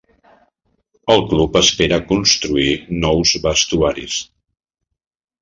El club espera construir nous vestuaris.